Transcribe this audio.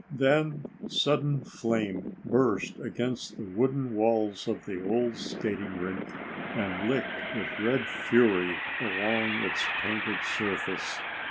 Then sudden flame burst against the wooden walls of the old skating rink and licked with red fury along its painted surface.